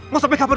mau sampai kapan